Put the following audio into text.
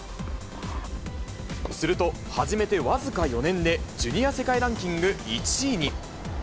すると、始めて僅か４年で、ジュニア世界ランキング１位に。